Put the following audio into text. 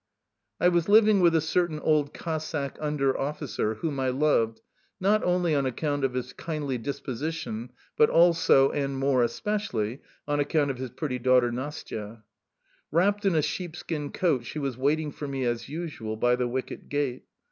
I was living with a certain old Cossack underofficer whom I loved, not only on account of his kindly disposition, but also, and more especially, on account of his pretty daughter, Nastya. Wrapped up in a sheepskin coat she was waiting for me, as usual, by the wicket gate.